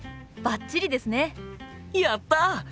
やった！